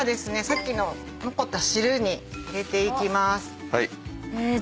さっきの残った汁に入れていきます。